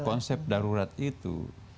dan konsep darurat itu